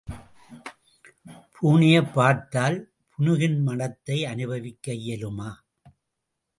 பூனையைப் பார்த்தால் புனுகின் மணத்தை அனுபவிக்க இயலுமா?